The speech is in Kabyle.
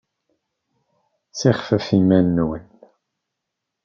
Ssixfef iman-nnem!